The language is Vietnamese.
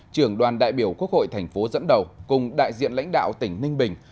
trưởng đoàn đại biểu quốc hội thành phố dẫn đầu cùng đại diện lãnh đạo tỉnh ninh bình